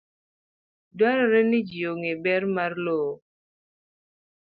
Dwarore ni ji ong'e ber mar lowo.